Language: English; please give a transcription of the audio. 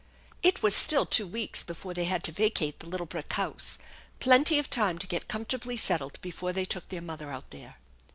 It was still two weeks before they had to vacate the little brick house, plenty of time to get comfortably settled before they took their mother out there.